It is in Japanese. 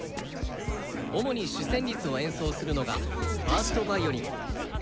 主に主旋律を演奏するのが１ｓｔヴァイオリン。